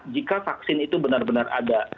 jika vaksin itu benar benar ada